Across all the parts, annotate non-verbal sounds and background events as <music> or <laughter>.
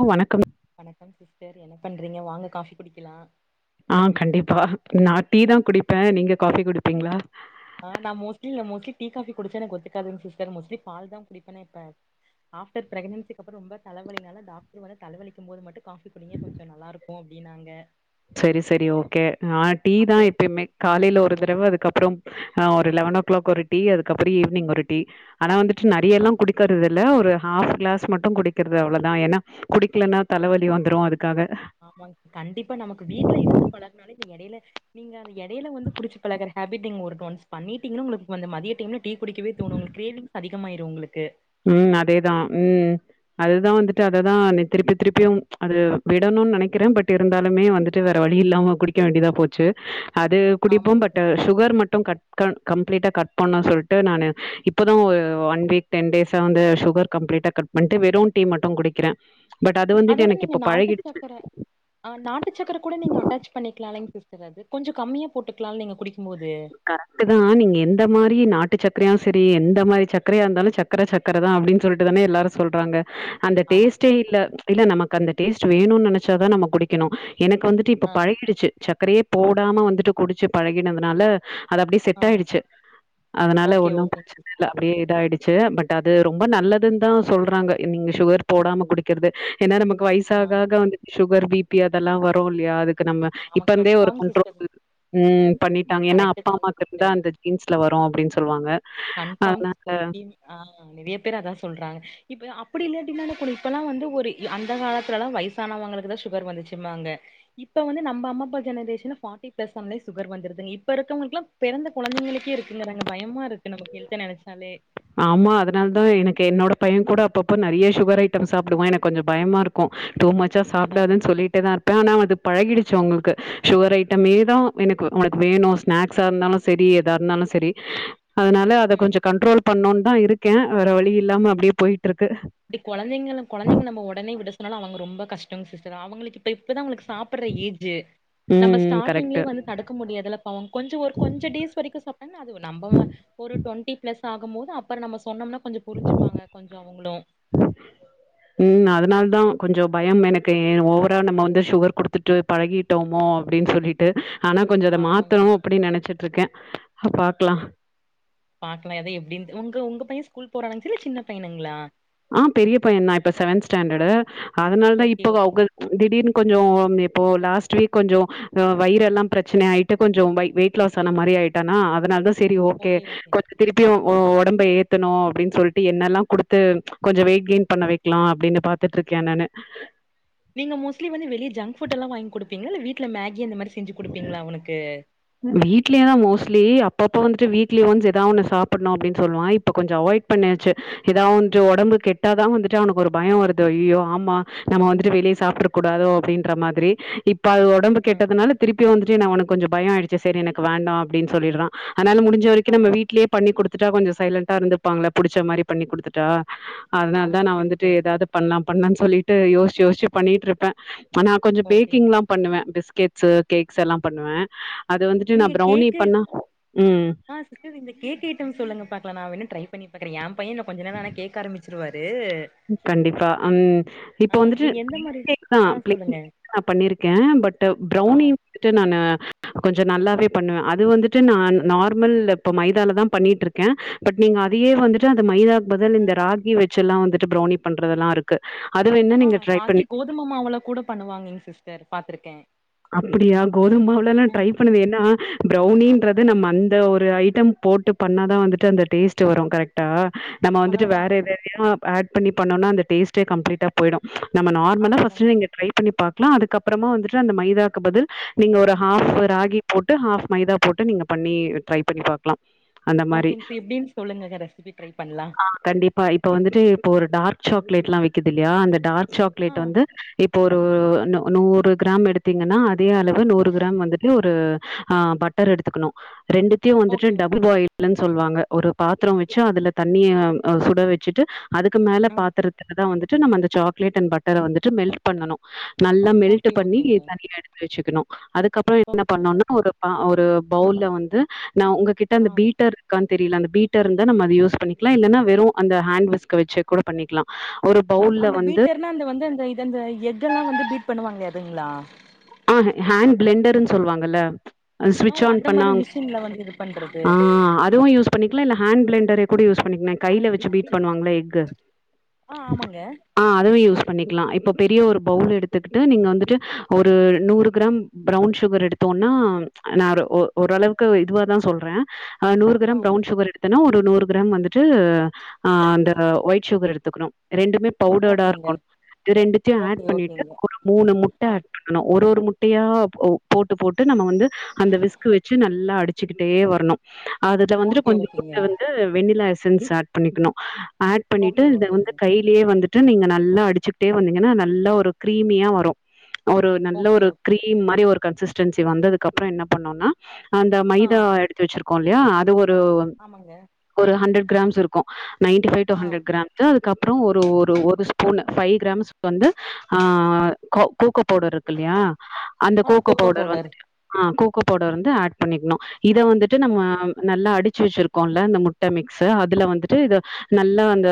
ஆ வணக் வணக்கம் சிஸ்டர் எனக் பண்றீங்க வாங்க காஃபி குடிக்கலா ஆ கண்டிப்பா நான் டீ தா குடிப்பே நீங்க காஃபி குடிப் அப்டிங்ளா ஆ நா மோஸ்ட்லி நா மோஸ்ட்லி டீ காஃபி குடிச்சா எனக்கு ஒத்துக்காதுங் சிஸ்டர் மோஸ்ட்லி பால் தான் குடிப்பனே இப்ப ஆஃப்டர் பிரெக்னன்சிக்கு கப்புரோ ரொம்ப தலவலினால டாக்ரு வந்து தலைவலக்கும் போது மட்டும். காஃபி குடிங்க கொஞ்ஞ நல்லாருக்கு போ அப்டினாங்க சரி சரி ஓகே நா டீ தான் அப்ப எப்பயுமே காலையில ஒரு தடவை அதுக்கப்புறோ ஆ ஒரு லெவனோ கிளாக் ஒரு டீ அதுக்கப்பறம் ஈவினிங் ஒரு டீ ஆனா வந்துட்டு நிறையெல்லா குடிக்க இதுல ஒரு ஹாஃப் கிளாஸ் மட்டும் குடிக்கிறது அவ்ளோ தா என்னா குடிக்கலன்னா தலவலி <unintelligible> வந்துரு அது ஆமாங் கண்டிப்பா நமக்கு வீட் வீட்ல இருந்து பழகுனாலே நீங்க இடையில நீங்க அத எடையில வந்து குடிச்சு பழகுற ஹேபிட்டிங் ஒருக்க ஒன்ஸ் பண்ணிட்டீங்ன உங்களுக்கு வந்து மதிய டைம்ல டீ குடிக்கவே தோணும் உங்களுக்கு கிரேவிங்ஸ் அதிக இதம்மாயிரு உங்ளுக்கு ம் அதேதா உம் அதுதா வந்துட்டு அததா நீ திருப்பி திருப்பியு ம்ச் அது விடணுன்னு நெனைக்கிறே பட்டு இருந்தாலுமே வந்துட்டு வேற வழி இல்லாம குடிக்க வேண்டியதா போச்சு அது குடிப்போ ஆமாங்க பட்டு சுகர் மட்டும் கட் க்கான் கம்ப்ளீட்டா கட் பண்ண சொல்டு நானு இப்போதா ஒ ஒன் வீக் டென்டேச வந்து சுகர் கம்ப்ளீட்டா கட் பண்ணிட்டு வெறும் டீ மட்டு குடிக்கிறே பட் அது வந்துட்டு அதோட எனக்கு நீங்க இப்ப நாட்டு பழகிடுச்சு சக்கர ஆ நாட்டு சக்கர கூட நீங்க அட்டாச் பண்ணிக்கிலாலைங் <unintelligible> கொஞ்ச கம்மியா போட்டுக்கலாலைங்க குடிக் கரெக்ட்டு தா நீங்க எந்த மாரி நாட்டு சக்கரையு ஸ் செரி எந்த மாரி சக்கரையா இருந்தாலு சக்கர சக்கர தா அப்டின்னு சொல்லிட்டு தான எல்லாரு சொல்றாங்க அந்த ஆமா டேஸ்ட்டே இல்ல ம்ச் இல்ல நமக்கு அந்தட் டேஸ்ட் வேணும்னு நெனச்சாதா நம்ம குடிக்கணு எனக்கு வந்துட்டு இப்ப ஆ பழகிடுச்சு சக்கரையேப் போடாம வந்துட்டு குடிச்சு பழகினங்கனால அது அப்டியே ஆ செட் ஆயிடுச்சு அதனால ஓகே ஒன்னு ஓகேங் பிரச்சன இல்ல சிஸ்டர் அப்டியே இதாயிடுச் ச்சே பட்டு அது ரொம்ப நல்லதுன்னு தான் சொல்றாங்க நீங்க சுகர் போடாம குடிக்கிறது ஏன்னா நமக் க்கு ஆ வைசாக ஆக வந் <unintelligible> சுகர் பிபி அதெல்லா வரும் இல்லையா அதுக் க்கு நம்ம ஆமா இப்பந்தே ஒரு கன்ஃபார்ம் சிஸ்டர் கண்ட்ரோல் ம் பண்ணிட்டாங்க ஏன்னா கரெக்ட்டு அப் அப்ப தாங் அம்மாக்கு இருந்தா சிஸ்டர் அந்த ஜீன்ஸ்ல வரும் அப்டின்னு சொல்லுவாங்க கன்ஃபார்ம் அதனா சிஸ்டர் <unintelligible> அ, நெறைய பேர் அதா சொல்றாங்க இப்ப அப்டி இல்லாட்டினாலு கூட இப்பெல்லா வந்து ஒரு அந்த காலத்துல எல்லா வயசானவங்களுக்கு தான் சுகர் வந்துச்சுப்பாங்கப்ப வந்து நம்ம அம்மாப்பா ஜெனரேஷன் ஃபார்டி பிளஸ் ஆனாலே சுகர் வந்துருதுங்க இப்ப இருக்கவங்களுக்குல்லா பிறந்த கொழந்தைங்களுக்கே இல்லறங்க பயமா இருக்கு. நமக் ஹெல்த்த நெனைச்சாலே ஆமா அதனால தான் எனக்கு என்னோட பையன் கூட அப்பப்போ நெறைய சுகர் ஐட்டம் சாப்பிடுவா எனக்கு கொஞ்சோ பயமாருக்கு டூ மச்சா அதா அதா சாப்பிடாதுன்னு சொல்லிட்டேதா இருப்பே ஆனா வது பழகிடுச் சு, உங்களுக்கு சுகர் ஐட்டமே தா எனக்கு உனக்கு வேணு ஸ்நாக்ஸா இருந்தாலு செரி எதா இருந்தாலு செரி அதனால அத ம் கொஞ்சோ கண்ட்ரோல் பண்ணோன்னு தா இருக்கே வேற வழி இல்லாம அப்டியே போயிட்ருக்கு இப்டி கொழந்தைங்கள கொழந்தைங்க நம்ம ஒடனே விட சொன்னாலு அவங்க ரொம்ப கஷ்டோங் சிஸ்டர் அவங்களுக்கு இப்ப இப்பதா அவங்களுக்ஸ் சாப்ட்ற ஏஜ் நம்ம ம் கரெக்ட்டு ஸ்டாடிங்கள வந்து தடுக்க முடியாதுல பவோ கொஞ்ச ஒர் கொஞ்ச டேஸ் வரைக்கும் சாப்பிட்டானா அது நம்பம ஒரு டுவெண்டி பிளஸ் ஆகும்போது அப்புற நம்ம சொன்னோம்னா கொஞ்சோ புரிஞ்சுப்பாங்க கொஞ்ச அவங்களு ம் அதனால தான் கொஞ்சோ பயம் எனக்கு ஓவரால் நம்ம வந்து சுகர் குடுத்துட்டு பழகிட்டோமோ அப்டின்னு சொல்லிட்டு ஆனா கொஞ்சோ அத ஆமாங்க மாத்தணு சிஸ் அப்டின்னு நெனைச்சிட்ருக்கே. ஹ பாக்லா. பாக்கலா எது எப்டி உங்க உங்கப் பைய ஸ்கூல் போறானாங் இல்ல சின்ன பையனுங்களா ஆஹ் பெரிய பையன்னா இப்ப செவன்த் ஸ்டாண்டார்டு அதனால தான் ஓகே இப்ப ஓகே அவங்க திடீர்னு கொஞ்சோ அப் இப்போ லாஸ்ட் வீக் கொஞ்ஜோ ஆஹ் வயிரெல்லா பிரச்சன ஆயிட்டு கொஞ்ஜோ வெயிட் லாஸ் ஆன மாதிரி ஆயிட்டான அதனால தா சரி ஓக்கே ஓகே ஓகே கொஞ்ஜோ திருப்பியு ஓ ஒடம்ப ஏத்தணு அப்படின்னு சொல்லிட்டு என்னெல்லா குடுத்து கொஞ்சம் வெயிட் கெயின் பண்ண வைக்கலா அப்படின்னு பாத்துட்ருக்கே நானு நீங்க மோஸ்லி வந்துளிய ஜங்க் ஃபுட்ல்லா வாங்கி கொடுப்பீங்களா இல்ல வீட்டுல மேகி இந்த மாரி செஞ்சு குடுப்பீங்களா அவனுக்கு வீட்லேயே தா மோஸ்ட்லி அப் அப்பப்போ வந்துட்டு வீக்லி ஒன்ஸ் எதா ஒன்னு சாப்பட்ணு அப்படின்னு சொல்லுவா இப்ப கொஞ்ச அவாய்ட் பண்ணியாச்சு ஏதா வஞ்சு ஒடம்பு கெட்டாதா வந்துட்டு அவனுக்கு ஒரு பயம் வருது அய்யயோ ஆமா நம்ம வந்துட்டு வெளிய சாப்றக்கூடாதோ அப்படின்ற மாதிரி இப் இப்ப அது உடம்பு ஆ கெட்டதுனால திருப்பியு வந்துட்டு நா அவனக்கு கொஞ்சோ பய ஆய்டுச்சு சரி எனக்கு வேண்டா அப்டின்னு சொல்லிறா அதனால முடி்ஞ்ச வரைக்கு அதா நம்ம அதா வீ்ட்லயே பண்ணி குடுத்து தந்துட்டா கொஞ்ச சைலண்டா இருந்துப்பாங்கள்ல புடிச்ச மாறி பண்ணி குடுத்துட்டா அதனாலதா ஆமாங்க நா வந்துட்டு சிஸ்டர் ஏதாவது பண்ணலா பண்ணலானு சொல்லிட் ட்டு யோசிச்சு யோசிச்சு பண்ணிட்ருப்பே ஆ நா கொஞ்ச ஓகே ஓகே பேக்கிங்லா பண்ணுவே பிஸ்க் கேக்ஸு கேக்ஸ் எல்லா பண்ணுவே அது வந்துட்டு நா நீங்க ப்ரௌனி கேக்கு பண்ணா ம் ஆஹ் சரி கேக் ஐட்ட சொல்லுங்க பாக்கலா நா வேணு ட்ரை பண்ண பாக்றியா பய இன்னு கொஞ்ச நாள்ளானா கேக்க ஆரம்பிச் ச்சிருவாரு கண்டிப்பா அம் ஆ இப்ப வந்துட்டு நீங்க எந்த மாரி கேக்குதா ஆ சொல்லுங்க நா பண்ணிருக்கே பட் ஆ பௌரனி வந்துட்டு நானு கொஞ்ச நல்லாவே பண்ணுவே அது வந்துட்டு நா நார்மல் இப்ப மைதாலதா பண்ணிட்ருக்கே பட் நீங்க அதையே வந்துட்டு அந்த மைதாக்கு பதில் இந்த ராகி வெச்செல்லா வந்துட்டு ச்சு ப்ரௌனி பண்றதெல்லா இருக்கு அது வேணா நீங்க ஆஹ் ட்ரை பண்ணி ராகி கோதும மாவுள கூட பண்ணுவாங்க எங் சிஸ்டர் பாத்திருக்கே அப்படியா கோதும மாவுலல்லா ட்ரை ம் பண்ணுவே ஏன்னா ப்ரௌனி பண்றது நம்ம அந்த ஒரு ஐட்டம் போட்டு பண்ணாதா வந்துட்டு அந்த டேஸ்ட் வரு கரெக்ட்டா நம்ம அதா வந்துட்டு அதா வேற எதெதயோ ஆட் பண்ணி பண்ணோனா அந்த டேஸ்டே கம்ப்ளீட்ட போய்டு நம்ம நார்மலா அதா அதா ஃபர்ஸ்ட் நீங்க ட்ரை பண்ணி பா லாம் அதுக்கப்புறமா வந்துட்டு அந்த மை <unintelligible> க்கு பதில் நீங்க ஒரு ஹாஃப் ம் ராகி போட் டு ஹாஃப் மைதா போட்டு நீங்க பண்ணி ட்ரை பண்ணி பாக்கலாம் அந்த மாறி ஓகேங்க சிஸ் எப்டின்னு சொல்லுங்க ரெசிபி ட்ரை பண்லா ஆஹ் கண்டிப்பா இப்ப வந்துட்டு இப்ப ஒரு டார்க் சாக்லேட்லா விக்கிது இல்லையா அந்த டார்க் ஆ சாக்லேட் வந்து இப் ப ஒரு நு நூறு கிராம் எடுத் தீங்கன்னா அதே அளவு நூறு கிராம் வந்துட்டு ஒரு ஆ பட்டர் எடுத்துக்குணு ரெண்டுத்தியு வந்துட்டு ஓகே ஓகே டபுள் பாய்ல்னு சொல்வாங்க ஒரு பாத்ரொ வெச்சி அதுல தண்ணிய அ சுட வெச்சிட்டு அதுக்கு மேல ஆ பாத்துரத்துல தா வந்துட்டு நம்ம அந்த சாக்லேட் அண்ட் பட்டர வந்துட்டு மெல்ட் பண்ணனு நல்லா மெல்ட்ட ஓகே பண்ணி ஓகேங்க தனியா எடுத்து வெச்சிக்கணு அது கப்றோ என்ன ஓகே ஓகே பண்ணுனா ஒரு ப ஒரு பௌல்ல வந்து நா உங்கக் கிட்ட ஆ அந்த பீட்டர் இருக்கான் தெரில அந்த பீட்டர் இருந்தா நம்ம அது யூஸ் பண்ணிக்லா இல்லன்னா வெறு அந்த ஹேண்ட் விஸ்க்க வெச்சிக் கூட பண்ணிக்லா அந்த பீட்டர்னா அந்த வந்து அந்த இது அந்த எக்கல்லா வந்து பீட் பண்ணுவாங்ளே அதுங்ளா ஆ ஹேண்ட் ப்ளெண்டர்னு சொல்லுவாங்கல்ல ஆ ஓ சுவிட்ச் ஆன் அந்த பண்ணா மாரி அவுங் மிஷின்ல வந்து இது பண்றது ஆ அதுவு யூஸ் பண்ணிக்லா இல்ல ஹேண்ட் ப்ளெண் வேர எப்புடி யூஸ் அன்னிக்கி நா கையில வெச்சு அரைங்களா பீட் பண்ணுவாங்களா எக்கு ஆ ஆமாங்க ஆ அதுவு யூஸ் பண்ணிக்கலா இப்ப பெரிய ஒரு பவுல் எடுத்துக்கிட்டு நீங்க வந்துட்டு ஒரு ஒரு நூறு கிராம் பரவுன் சுகர் எடுத்தோனா நா ஒரு ஒ ஓரளவுக்கு இதுவா தா சொல்றே ஆ நூறு கிராம் பவுன் சுகர் எடு எடுக்கனு ஒரு நூறு கிராம் வந்துட்டு ஆஹ அந்த ஒயிட் சுகர் எடுத்துக்கணும் ரெண்டுமே பவுடர்டா ஓகேங்க இருக்கணு இத ரெண்டுத்தையு ஆட் ஓகே பண்ணிட்டு ஓகேங்க ஒரு மூணு முட்ட ஆ அட் ஆனா ஒரு ஒரு முட்டையா போட்டு போட்டு நம்ம வந்து அந்த விஸ்கு வெச்சு நல்லா அடிச் அடிச்சுக்கிட்டே வரணு அதுல வந்துட்டு ஓகே ஓகேங்க கொஞ்சோண்டு வந்து வெண்ணிலா எஸ் சென்ஸ் ஆட் பண்ணிக்கணோ ஆட் பண்ணிட்டு ஓகே இத வந்து ஓகேங்க கையிலேயே வந்துட் நீங்க நல்லா அடிச்சுக்கிட்டே வந்தீங்கன்னா நல்லா ஒரு கிரீமியா வரோ ஒரு நல்ல ஓகே ஒரு ஓகேங்க கிரீம் மாரி ஒரு கன்சிஸ்டன்சி வந்ததுக்கு அப்புற என்ன பண்ணோனா அந்த ஆ மைதா எடுத்து வச்சிர் குல்லையா அது ஒரு <unintelligible> ஆமாங்க ஒரு ஹண்ட்ரட் கிராம்ஸ் இருக்கு நைடிஃவை டு ஆ ஹண்ட்ரட் கிராம்ஸ் அதுக் அப் அப்புறோ ஒரு ஒரு ஒரு ஸ்பூன் ஃபைவ் கிராம்ஸ்க்கு வந்து ஆ கோ கோக்கோ பவுடர் இருக்கு இல்லையா அந்த கோகோ பவுடர் வந்துட்டு ஆ கோ கோ பவுடர் வந்து ஆட் பண்ணிக்கணு இத வந்துட்டு நம்ம ஓகே நல்லா அடிச் சி வச்சிருக்கோ இல்ல இந்த முட்ட மிக்ஸு அதுல வந்துட்டு இத நல்லா அந்த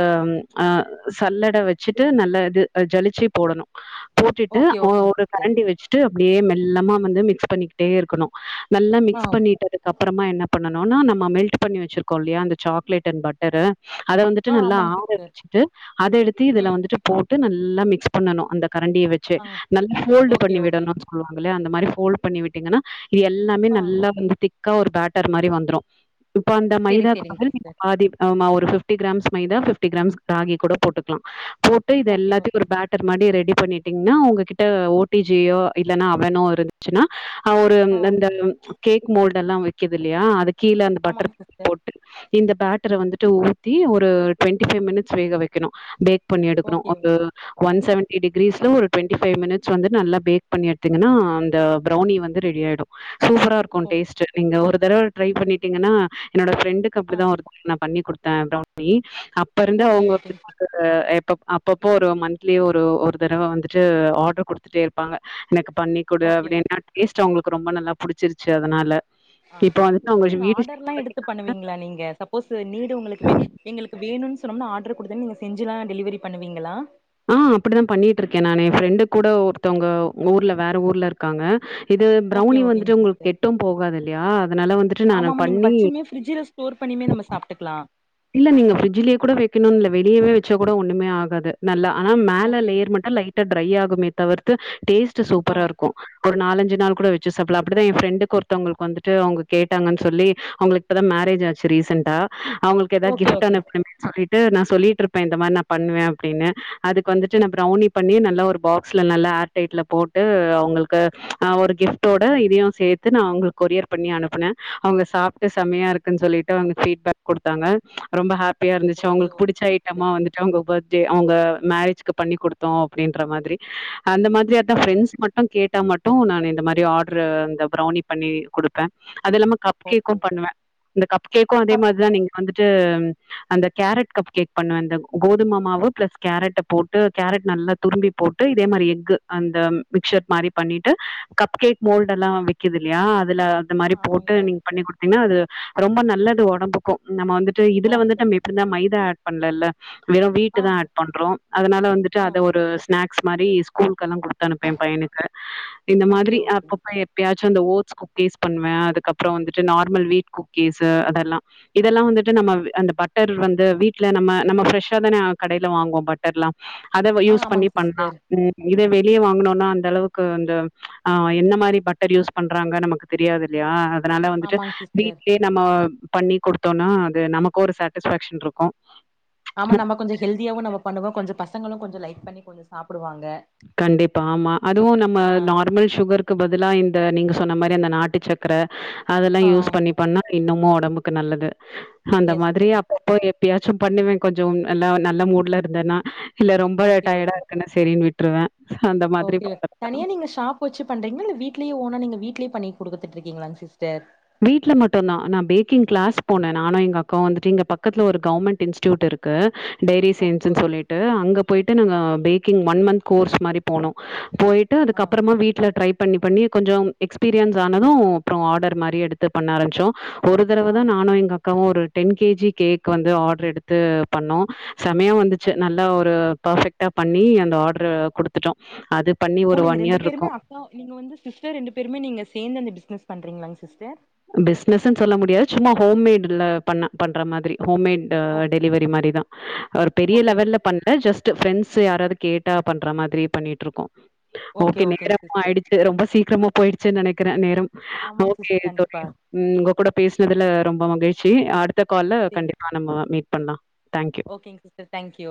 அ சல்லட வச்சிட்டு நல்ல இது ஆ ஜளிச்சி போடணு போட்டிட்டு ஓகே ஒ ஓகேங்க ஒரு சிஸ்டர் கரண்டி வச்ட்டு அப்டியே மெல் லெமா வந்து மிக்ஸ் பண்ணிக் ட்டே இருக்கணு நல்லா ஆ மிக்ஸ் பண்ணிட்டதகப் அப்ரமா என்ன பண்ணனுனா நம்ம மெல்ட் பண்ணி வச்சுருக்கோ இல்லையா அந்த சாக்லேட் அண் பட்டரு அத வந்துட்டு ஆ நல்லா ஆமாங்க ஆற சிஸ்டர் வச்சிட்டு அத எடுத்து இதுல ம் வந்துட்டு போட் டு நல்லா மிக்ஸ் பண்ணணு அந்த கரண்டிய வச்சி ஆ நல்லா மோல்டு ஓகே பண்ணி ஓகே விடணுன் சொல்லுவாங்கள்ள அந்த இந்த மாரி போல் பண்ணி விட்டீங்கன்னா இது எல்லாமே ஆ நல்லா வந்துட்டு க்க ஒரு பேட்டர் மாரி வந்துரு இப்ப அந்த செரி மைதாக்கு செரிங்க பதில் சிஸ்டர் பாதி ஆ மாவ் ஒரு ஃபிப்டி கிராம்ஸ் மைதா ஃபிப்டி கிராம்ஸ் ராகி கூட போட்டுக்கலா போட்டு இது ஓகே எல்லாத்தயு ஒரு ஓகேங்க பேட்டர் மாரி ரெடி பண்ணிட்டீங்கன்னா உங்ககிட் ஆ ஓ டி ஜி யோ இல்லனா அவனோ இருந்துச்சுன்னா ஒரு ஆ அந்த கேக் மோல்டு எல்லா வெக்கிது இல்லையா அதுக் ஆமாங் சிஸ்டர் இந்த பேட்டர வந்துட்டு ஊத்தி ஒரு டொவெண்டி ஃபைவ் மினிட்ஸ் வேக வைக்கணு பேக் பண்ணி எடுக்கனு ஓகே அந்த ஆ ஒன் செவன்டி டிகிரீஸ் இன்னும் ஒரு டொவண்டி ஃபைவ் மினிட்ஸ் வந்து நல்லா பேக் பண்ணி எடுத்தீங்கன்னா அந்த ப்ரௌனி வந்து ரெடி ஆயிடும் சூப்பரா இருக்கு ஓ டேஸ்ட் நீங்க ஒருத் தடவ ட்ரை பண்ணிட்டீங்கன்னா என்னோடப் ஃரெண்டுக்கு அப்டி ஆ தா ஒருத் நா பண்ணி கொடுத் <unintelligible> அப்ப இருந்து ஓகே அவங்க ஓகேங்க சிஸ் <unintelligible> அப்பப்போ ஒரு மந்த்லி ஒரு ஒரு தறவை வந்துட் டு ஆர்டர் குடுத்துட்டே இருப்பாங்க எனக் பண்ணி குடு ஓகே அப்டின்னு அட்லீஸ்ட் அவங்குளுக்கு ரொம்ப நல்லா புடிச்சிருச்சு அதனால ஆ இப்ப வந்துட்டு சிஸ் அவங்க நீங்க வீடு ஆர்டர் ஷிஃப்ட் எல்லாம் பண்ணி எடுத்து பண்ணுவீங்களா நீங்க சப்போஸ் நீடு உங்குளுக் எங்களுக்கு வேணும்னு சொன்னோம்னா ஆட் டர் குடுத்தா நீங்க செஞ்சுலா டெலிவரி பண்ணுவீங்களா ஆ அப்டிதான் பண்ணிட்டு இருக்கேன் நானு என் ஃப்ரெண்டு கூட ஒருத்தவங்க ஊர்ல வேற ஊர்ல இருக்காங்க இது ஓகே ப்ரௌனி ஓகேங்க வந்துட்டு உங்குளுக் சிஸ்டர் கெட்டும் போகாது இல்லையா அதனால வந்துட்டு நான் ஆமாமா நீங்க பண்ணி வச்சுமே ஃப்ரிட்ஜ்ல ஸ்டோர் பண்ணியுமே நம்ம சாப்ட்டுக்கலா இல்ல நீங்க ஃப்ரிட்ஜ்லயே கூட வெக்கணும் வெளியவே வ ச்சா கூட ஒன்னுமே ஆகாது நல்லா ஆனா மேல ஓகே லேயர் மட்டும் லைட்டா ட்ரை ஆகுமே தவிர்த் து டேஸ் ட்டு ஆ சூப்பராருக்கும் ஒ நாலஞ்சு நாள் கூட வெச்சு சாப்லா அப்டிதான் என் ஃப்ரெண்டுக்கு ஒருத்தங்களுக்கு வந்துட்டு அவங்க கேட்டாங்கன்னு சொல்லி அவங்குளுக்கு இப்போதா மேரேஜ் ஆச்சு ரீசெண்டா அவங்குளுக்கு ஏதாவது ஓகே கிஃப்ட் ஓகே அனுப்பணுமே சொல்லிட் ட்டு நா சொல்லிட்ருப்பேன் இந்த மாரி நா பண்ணுவேன் அப்டின்னு அதுக்கு வந்துட்டு நான் ப்ரௌனி பண்ணி நல்லா ஒரு பாக்ஸ்ல நல்லா ஏர் டைட்ல போட்டு அவங்குளுக்கு ஆ ஒரு கிஃப்ட்டோட இதயும் சேத்து நான் அவங்குளுக்கு கொரியர் பண்ணி அனுப்பனே அவங்க சாப்ட்டு செமையா இருக்குன்னு சொல்லிட்டு அவங்க பீட்பேக் கொடுத்தாங்க ரொம்ப ஹ ப்பியா இருந்துச்சு ஓகே அவங்குளுக்கு புடிச்ச ஓகே ஐட்டம்மா சிஸ்டர் வந்துட்டு அவங்க வொ அவங்க மேரேஜ்க்கு பண்ணி குடுத்தோம் அப்டின்ற மாரி அந்த மாதிரி ஆ அதான் ப்ரெண்ட்ஸ் மட்டும் கேட் ட்டா மட்டும் நான் இந்த மாரி ஆர்டரு இந்த ப்ரௌனி பண்ணி குடுப்பேன் அதுல்லாம கப் ஓகே கேக்கும் பண்ணுவேன் இந்த கப் கேக்கும் அதே அப் மாரிதா நீங்க வந்து து அந்த கேரட் கப் கேக் பண்ணுவேன் அந்த கோதுமமாவ் வு ப்ளஸ் கேரட்ட போட்டு கேரட் நல்லா துரும்பி போட்டு இதே மாரி எகஃகு அந்த மிக்சர் மாரி பண்ணிட்டு கப் கேக் மௌல்டுல்லாம் விக்குது இல்லையா துல அந்த ஆ மாரி போட்டு ஆமாங்க நீங்க பண்ணி கொடுத் னா அது ரொம்ப நல்லது ஒடம்புக்கும் நம்ம வந்து இதுல வந்து ஓகே நம்ம எப்டிருந்தா மைதா ஆட் பண்லல்ல வெறும் ஆ <unintelligible> தா ஆட் பண்றோ அதனால வந்துட்டு ஆ அத ஒரு ஸ்நாக் க்ஸ் மாரி ஸ்கூல்கெல்லா குடுத் அனுப்வே எ பைனுக்கு இந்த ஓகே மாதிரி ஓகேங்க அப்பப்ப எப்பயாச் அந்த ஓட்ஸ் குக்கீஸ் பண்ணுவே அதுக்கப்றோ வந்துட்டு நார்மல் வீட் குக்கீஸ்சு அதெல்லா இதெல்லா வந்துட்டு நம்ம அ அந்த பட்டர் வந்து வீட்ல நம்ம நம்ம ப்ரெஷ்ஷா தானே கடைல வாங்குவோ பட்டர்ல்லா அத வ ஆ யூஸ் பண்ணி ஆமாங்க பண்லா சிஸ்டர் உம் இதே வெளியே வாங்னோனா அந்த அளவுக்கு அந்த ஆ என்ன மாரி பட்டர் யூஸ் பண்றாங்க நமக்கு தெரியாது இல்லையா அதனால வந்துட்டு ஆமாங்க சிஸ்டர் வீட்லியே நம்ம பண்ணி கொடுத்தோனா அது நமக்கு ஒரு சாட்டிஸபேக்ஷன் ட்ருக்கோ ஆமா நம்ம கொஞ்சோ ஹெல்தியாவு நம்ம பண்ணுவோ கொஞ்சோ பசங்களு கொஞ்சோ லைக் பண்ணி கொஞ்சோ சாப்புடுவாங்க கண்டிப்பா ஆமா அதுவு நம்ம ஆ நார்மல் சுகருக்கு பதிலா இந்த நீங்க சொன்ன மாரி அந்த நாட்டு சக்கர அதெல்லா ஆ யூஸ் பண்ணி பண்ணா இன்னுமு ஒடம்புக்கு நல்லது அந்த எஸ் மாதிரி சே அப்பப்போ எப் எப்பயாச்சு பண்ணுவே கொஞ்சோ நல்லா நல்ல மூட்ல இருந்தேன்னா இல்ல ரொம்ப ஓகே டயடா ஓகே இருக்குன்ன சரின்னு விட்டு ட்ருவ ஓகே தனியா நீங்க ஷாப் வச்சு பண்றீங்ளா இல்ல வீட்லியே ஓனா நீங்க வீட்லே பண்ணி குடுத்துட்ருக்கீங்களா சிஸ்டர் வீட்ல மட்டுந்தான் நா பேக்கிங் கிளாஸ் போனே நானு எங்க அக்காவு வந்துட்டு இங்க பக்கத்துல ஒரு கவர்ன்மெண்ட் இன்ஸ்டடியூட் இருக்கு டைரி ஓகே சயின்ஸுனு ஓகே சொல்லிட்டு சிஸ்டர் அங்க போய்ட்டு நாங்க பேக்கிங் ஒன் மந்த் கோர்ஸ் மாரி போனோ போய்ட்டு ஆ அதுக்கப்புறமா வீட்ல ட்ரை பண்ணி பண்ணி கொஞ்சோ எக்ஸ்பீரியன்ஸ் ஆனது அப்றோ ஆடர் மாரி எடுத்து பண்ண ஆரம்பிச்சோ ஒரு தடவ ஆ தா நானு எங் அக் காவு ஒரு டென் கேஜி கேக் வந்து ஆட்ரு எடுத்து பண்ணோ சமயா ஓ வந்துச்சு நல்லா ஒரு பர்ஃபெக்ட்டா பண்ணி அந்த ஆட்ரு குடுத்துட்டோ அது பண்ணி ஓ ஒரு நீங்க ரெண்டு இயர் இருக்கும். பேருமே அக்கா நீங்க வந்து சிஸ்டர் ரெண்டு பேருமே நீங்க சேந்து அந்த பிசினஸ் பண்றிங்களாங்க சிஸ்டர் பிஸ்னஸ்ன்னு சொல்ல முடியாது சும்மா ஹோம்மேடுல பண்ண பண்ற மாதிரி ஹோம்மட் ஓ டெலிவரி மாரி தா ஒரு பெரிய ஓகே லெவல்ல ஓகே பண்ல ஜஸ்ட் ஃபிரெண்ட்ஸ் யாராவது கேட்டா பண்ற மாதிரி பண்ணிட்டு இருக்கோ ஓகே ஓகேங் நேரமொ சிஸ்டர் ஆயிடுச்சு ரொம்ப சீக்கிரமா போய்டுச்சு நெனைக்கற நேரம் ஆமாங் ஓகே சிஸ்டர் தோ கண்டிப்பா உம் உங்க கூட பேசுனதுல ரொம்ப மகிச் செய் ஆடுத் கால்ல கண்டிப்பா நம்ம மீட பண்ண ஓகேங்க சிஸ்டர் தங்க்யூ